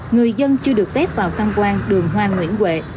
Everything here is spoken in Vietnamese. người dân chưa được tép vào tham quan đường hoa nguyễn huệ